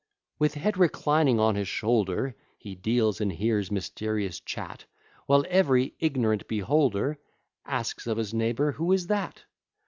With head reclining on his shoulder, He deals and hears mysterious chat, While every ignorant beholder Asks of his neighbour, who is that?